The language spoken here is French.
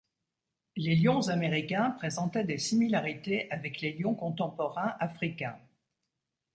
Les lions américains présentaient des similarités avec les lions contemporains africains.